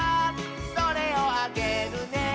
「それをあげるね」